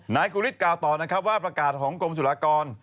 นายกุฤษกล่าวต่อว่าประกาศของกรมสุรากร